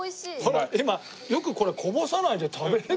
これ今よくこれこぼさないで食べれてますね。